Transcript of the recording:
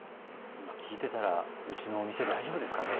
今聞いてたらうちのお店大丈夫ですかね。